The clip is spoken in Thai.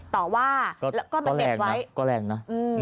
ต่อว่าแล้วก็มาเก็บไว้ก็แรงนะ